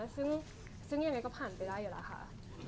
ซึ่งยังไงก็ผ่านไปได้อยู่แล้วค่ะ